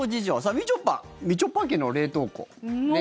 みちょぱ、みちょぱ家の冷凍庫。